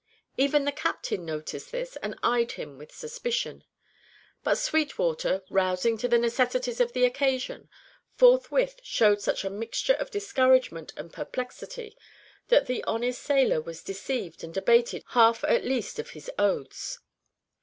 Even the captain noticed this and eyed him with suspicion. But Sweetwater, rousing to the necessities of the occasion, forthwith showed such a mixture of discouragement and perplexity that the honest sailor was deceived and abated half at least of his oaths.